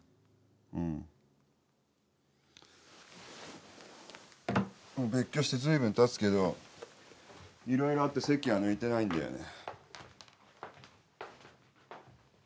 うんもう別居して随分たつけど色々あって籍は抜いてないんだよね